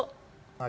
menetapkan pak oso